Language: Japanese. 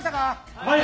はい！